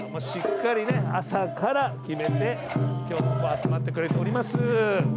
しっかり朝から決めて集まってくれております。